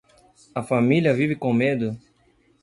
A família vive com medo